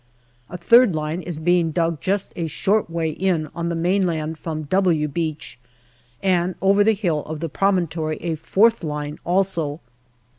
A third line is being NOVEMBER 281 dug just a short way in on the mainland from " W' J Beach, and over the hill of the promontory a fourth line also.